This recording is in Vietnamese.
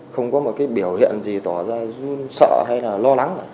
không có một biểu hiện gì tỏ ra sợ hay lo lắng